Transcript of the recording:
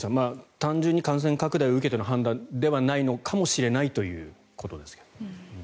単純に感染拡大を受けての判断ではないかもしれないと。